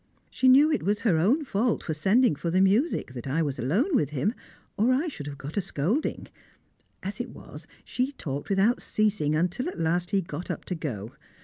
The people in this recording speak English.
She knew it was her own fault for sending for the music that I was alone with him, or I should have got a scolding; as it was, she talked without ceasing until at last he got up to go.